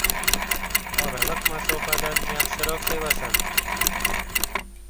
• Oraliq masofadan yaxshiroq sevasan.